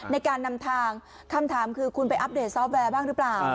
ในการนำทางคำถามคือคุณไปอัปเดตซอฟต์แวร์บ้างหรือเปล่า